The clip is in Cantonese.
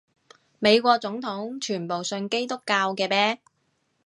美國總統全部信基督教嘅咩？